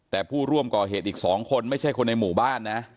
แต่ผู้ร่วมก่อเหตุอีก๒คนไม่ใช่คนในหมู่บ้านนะ